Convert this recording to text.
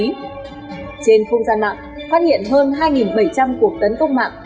trên không gian mạng phát hiện hơn hai bảy trăm linh cuộc tấn công mạng